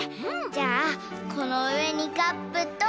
じゃあこのうえにカップと。